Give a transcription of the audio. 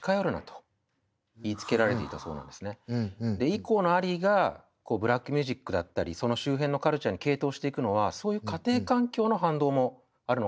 以降のアリーがこうブラックミュージックだったりその周辺のカルチャーに傾倒していくのはそういう家庭環境の反動もあるのかもしれないですね。